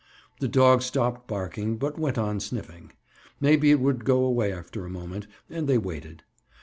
The dog stopped barking, but went on snuffing. Maybe it would go away after a moment, and they waited.